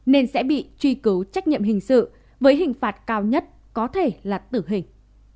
nên sẽ bị truy cứu trách nhiệm hình sự với hình phạt cao nhất có thể là tử hình